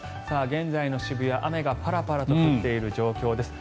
現在の渋谷、雨がパラパラと降っている状況です。